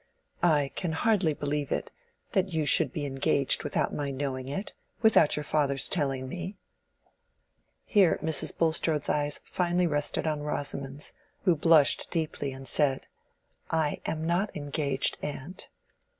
"I can hardly believe it—that you should be engaged without my knowing it—without your father's telling me." Here Mrs. Bulstrode's eyes finally rested on Rosamond's, who blushed deeply, and said— "I am not engaged, aunt."